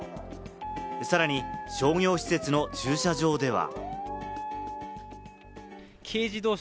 さらに商業施設の駐車場では。